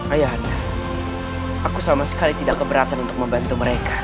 ayah anda aku sama sekali tidak keberatan untuk membantu mereka